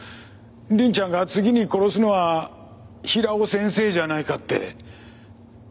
凛ちゃんが次に殺すのは平尾先生じゃないかって。